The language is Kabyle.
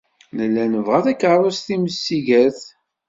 Nella nebɣa takeṛṛust timsigert.